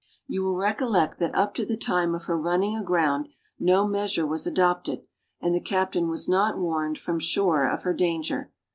You will recollect that up to the time of her running aground no measure was adopted, and the captain was not warned from shore of her danger.